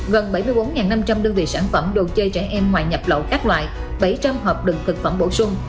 gần bảy mươi bốn năm trăm linh đơn vị sản phẩm đồ chơi trẻ em ngoại nhập lậu các loại bảy trăm linh hợp đựng thực phẩm bổ sung